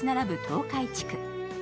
東海地区。